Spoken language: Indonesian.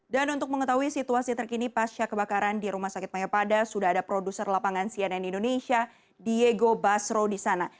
dan untuk mengetahui situasi terkini pasca kebakaran di rumah sakit mayapada sudah ada produser lapangan cnn indonesia diego basro di sana